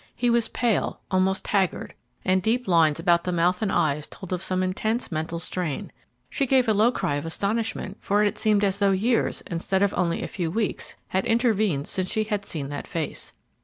He was pale, almost haggard, and deep lines about the mouth and eyes told of some intense mental strain. She gave a low cry of astonishment, for it seemed as though years, instead of only a few weeks, had intervened since she had seen that face.